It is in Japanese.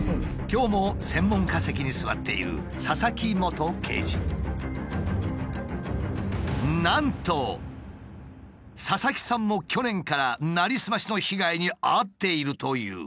今日も専門家席に座っているなんと佐々木さんも去年からなりすましの被害に遭っているという。